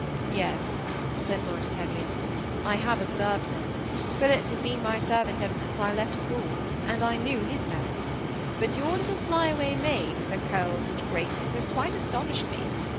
" Yes," said Lord Teviot, " I have observed them ; Phillips has been my servant ever since I left school, and I knew his merits ; but your little fiy away maid, with her curls and graces, has quite astonished me.